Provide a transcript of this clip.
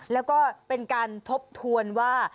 แล้วก็เป็นการทบทวนว่า